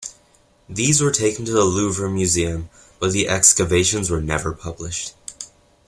These were taken to the Louvre Museum, but the excavations were never published.